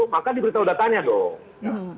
maka diberitahu datanya dong